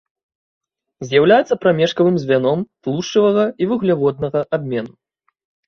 З'яўляецца прамежкавым звяном тлушчавага і вугляводнага абмену.